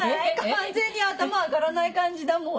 完全に頭上がらない感じだもん